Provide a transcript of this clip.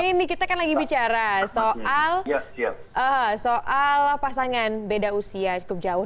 ini kita kan lagi bicara soal pasangan beda usia cukup jauh